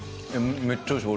めっちゃおいしい。